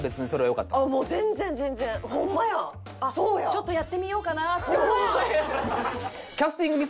ちょっとやってみようかなって。